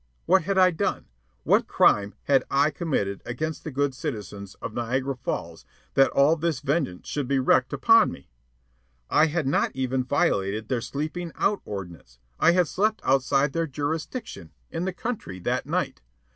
What had I done? What crime had I committed against the good citizens of Niagara Falls that all this vengeance should be wreaked upon me? I had not even violated their "sleeping out" ordinance. I had slept outside their jurisdiction, in the country, that night.